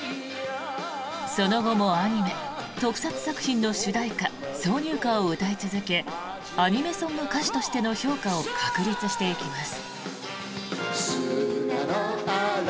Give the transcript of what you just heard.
その後もアニメ、特撮作品の主題歌挿入歌を歌い続けアニメソング歌手としての評価を確立していきます。